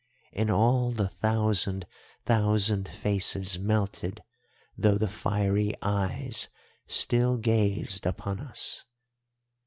And all the thousand thousand faces melted though the fiery eyes still gazed upon us.